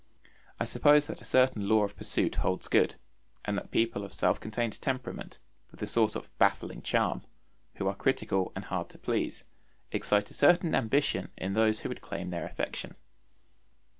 I suppose that a certain law of pursuit holds good, and that people of self contained temperament, with a sort of baffling charm, who are critical and hard to please, excite a certain ambition in those who would claim their affection.